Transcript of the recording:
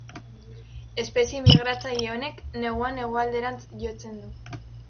Espezie migratzaile honek neguan hegoalderantz jotzen du.